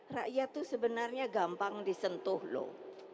rakyat itu sebenarnya gampang disentuh loh